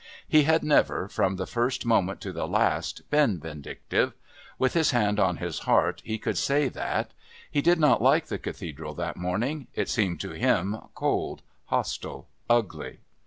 He had never, from the first moment to the last, been vindictive. With his hand on his heart he could say that. He did not like the Cathedral that morning, it seemed to him cold, hostile, ugly.